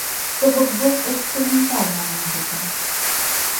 То бок, больш эксперыментальная музыка.